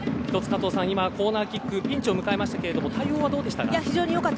加藤さん、コーナーキックでピンチを迎えましたが対応はどうでしたか。